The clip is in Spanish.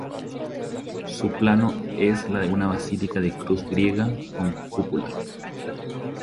Su plano es la de una basílica de cruz griega con cúpula.